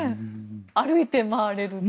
歩いて回れる。